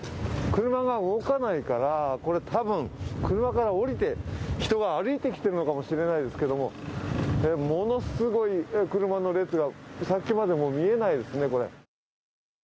車が動かないから、たぶん、車から降りて人が歩いてきているのかもしれないですけれども、ものすごい車の列が先まで見えないですね。